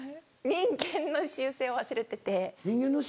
人間の習性を忘れてて？